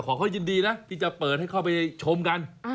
เขาก็ยินดีนะที่จะเปิดให้เข้าไปชมกัน